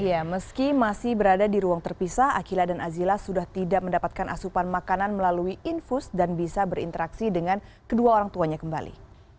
iya meski masih berada di ruang terpisah akila dan azila sudah tidak mendapatkan asupan makanan melalui infus dan bisa berinteraksi dengan kedua orang tuanya kembali